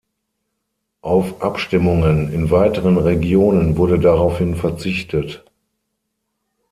Auf Abstimmungen in weiteren Regionen wurde daraufhin verzichtet.